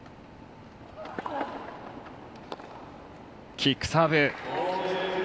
キックサーブ。